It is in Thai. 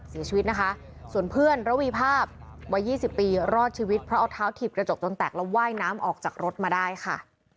เสียชีวิตนะคะส่วนเพื่อนระวีภาพวัย๒๐ปีรอดชีวิตเพราะเอาเท้าถีบกระจกจนแตกแล้วว่ายน้ำออกจากรถมาได้ค่ะ